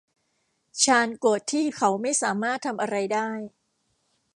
ชาร์ลโกรธที่เขาไม่สามารถทำอะไรได้